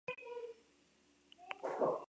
Juegos Paralímpicos de Örnsköldsvik